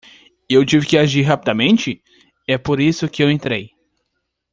Eu tive que agir rapidamente? é por isso que eu entrei.